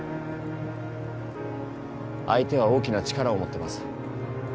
相手は大きな力を持ってます。